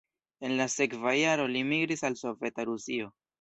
En la sekva jaro li migris al Soveta Rusio.